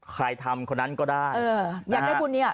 ใครทำคนนั้นก็ได้อยากได้บุญเนี่ย